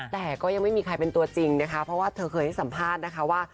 แต่ก็ยังไม่มีใครเป็นตัวจริงนะคะเพราะว่าเธอเคยให้สัมภาษณ์นะคะว่า